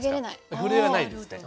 震えはないですね。